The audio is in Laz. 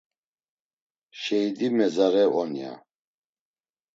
Şeidi mezare on ya?